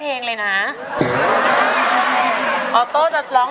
ออโต้จะร้องร้อยเพลงเท่ากุ๊กกิ๊กไหมหรือว่าออโต้จะร้องกี่เพลง